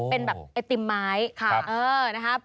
เป็นแบบไอติมไม้นะครับ